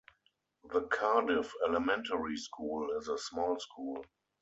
The Cardiff Elementary School is a small school.